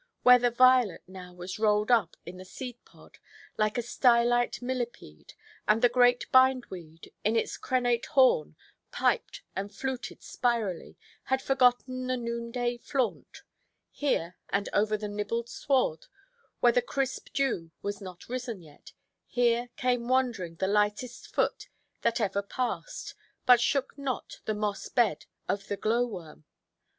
where the violet now was rolled up in the seed–pod, like a stylite millipede, and the great bindweed, in its crenate horn, piped and fluted spirally, had forgotten the noonday flaunt: here, and over the nibbled sward, where the crisp dew was not risen yet, here came wandering the lightest foot that ever passed, but shook not, the moss–bed of the glow–worm.